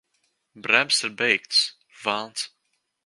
Bremzes ir beigtas! Velns!